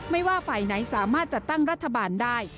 ว่าฝ่ายไหนสามารถจัดตั้งรัฐบาลได้